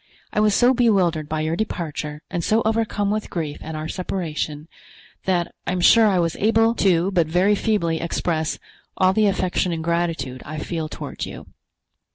I was so bewildered by your departure and so overcome with grief at our separation, that I am sure I was able to but very feebly express all the affection and gratitude I feel toward you.